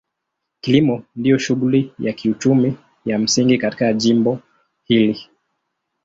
Kilimo ndio shughuli ya kiuchumi ya msingi katika jimbo hili.